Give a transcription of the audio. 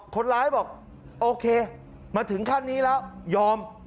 คนร้ายบอกโอเคมาถึงขั้นนี้แล้วยอม